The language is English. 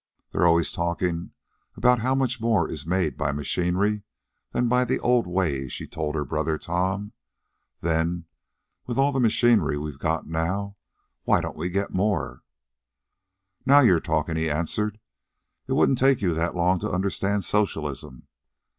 "They're always talking about how much more is made by machinery than by the old ways," she told her brother Tom. "Then, with all the machinery we've got now, why don't we get more?" "Now you're talkin'," he answered. "It wouldn't take you long to understand socialism."